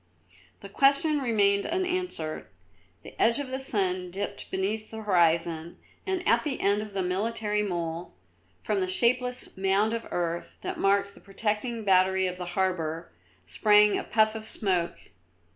The question remained unanswered; the edge of the sun dipped beneath the horizon and at the end of the military mole, from the shapeless mound of earth that marked the protecting battery of the harbour, sprang a puff of smoke.